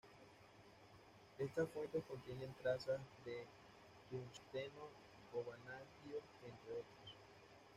Estas fuentes contienen trazas de tungsteno o vanadio entre otros.